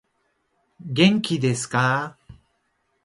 元気いですか